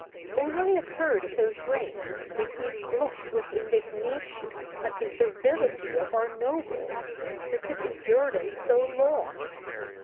Douglas. All I have heard of those reigns makes me blush with indignation at the servility of our nobles, who could endure them so long.